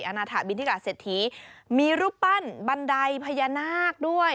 นาธะบินทิกาเศรษฐีมีรูปปั้นบันไดพญานาคด้วย